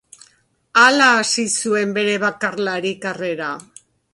Hala hasi zuen bere bakarlari karrera.